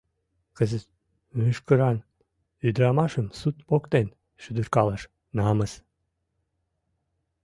Кызыт мӱшкыран ӱдырамашым суд воктен шӱдыркалаш — намыс».